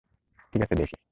ঠিক আছে, দেখি।